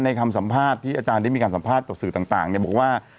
คำสัมภาษณ์ที่อาจารย์ได้มีการสัมภาษณ์ต่อสื่อต่างบอกว่า